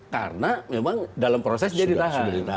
karena memang dalam proses jadi tahan